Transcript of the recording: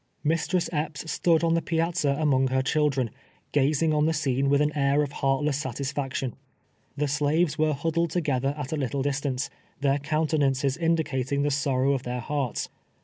Mistress Epps stood on the piazza among her chil dren, ijazino; on the scene with an air of heartless sat isfaction. The slaves were huddled together at a lit tle distance, their countenances indicating the sorrow of their hearts.